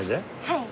はい。